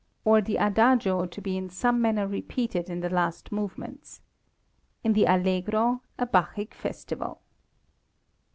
Or the Adagio to be in some manner repeated in the last movements. In the Allegro, a Bacchic festival."